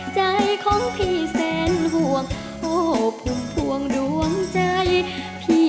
ใจของพี่เสนห่วงโอ้พุ่งพวงลวงใจ